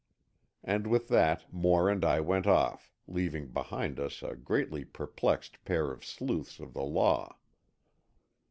And with that Moore and I went off, leaving behind us a greatly perplexed pair of sleuths of the law.